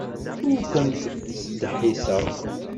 Ur kent-ttdeḥḥiseɣ.